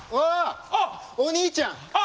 お兄ちゃん！